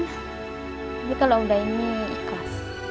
kalau udah ini ikhlas